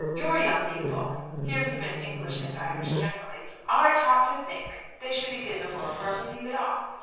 "Your young people," here he meant English and Irish generally, "are taught to think they should begin the world where we leave it off."